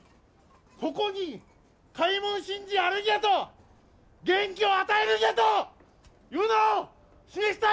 ここに開門神事があるんやと、元気を与えるんやというのを示したい。